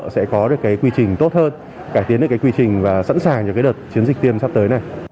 sẽ có được quy trình tốt hơn cải tiến được quy trình và sẵn sàng cho đợt chiến dịch tiêm sắp tới